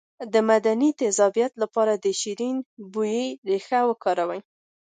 د معدې د تیزابیت لپاره د شیرین بویې ریښه وکاروئ